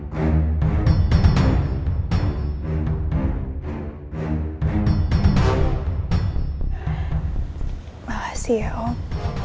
terima kasih ya om